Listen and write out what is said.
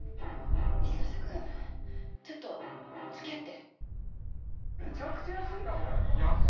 一ノ瀬くんちょっと付き合って。